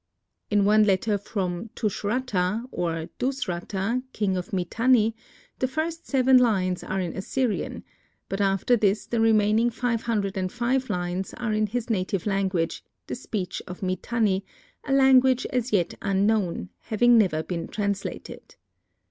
In one letter from Tushratta, or Dusratta, king of Mitanni, the first seven lines are in Assyrian, but after this the remaining five hundred and five lines are in his native language, the speech of Mitanni, a language as yet unknown, having never been translated.